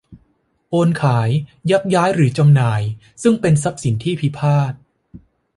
โอนขาย ยักย้ายหรือจำหน่าย ซึ่งทรัพย์สินที่พิพาท